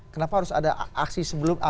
kenapa harus ada aksi sebelum